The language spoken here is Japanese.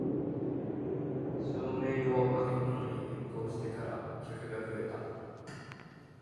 照明を明るいものに変更してから客が増えた